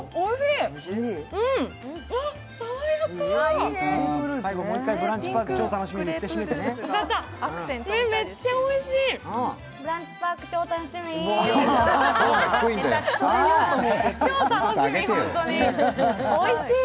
めっちゃおいしい。